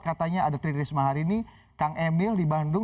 katanya ada tririsma harini kang emil di bandung